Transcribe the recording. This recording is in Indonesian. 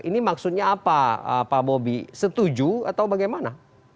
ini maksudnya apa pak bobi setuju atau bagaimana